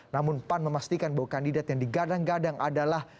namun pan memastikan bahwa kandidat yang digadang gadang adalah